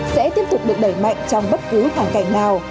sẽ tiếp tục được đẩy mạnh trong bất cứ hoàn cảnh nào